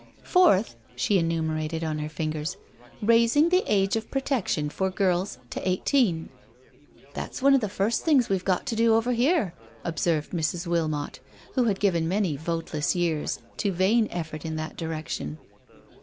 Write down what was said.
Fourth,'* she enumerated on her fingers, " raising the age of protection for girls to eighteen." " That*s one of the first things we've got to do over here,*' observed Mrs. Wilmot, who had given many voteless years to vain effort in that direction.